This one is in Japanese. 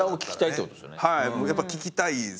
はいやっぱ聞きたいですね。